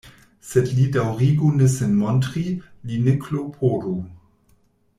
Sed li daŭrigu ne sin montri, li ne klopodu.